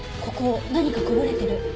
ここ何かこぼれてる。